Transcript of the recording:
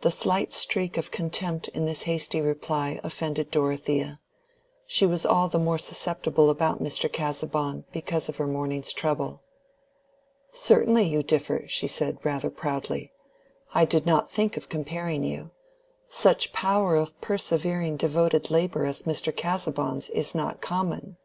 The slight streak of contempt in this hasty reply offended Dorothea. She was all the more susceptible about Mr. Casaubon because of her morning's trouble. "Certainly you differ," she said, rather proudly. "I did not think of comparing you: such power of persevering devoted labor as Mr. Casaubon's is not common."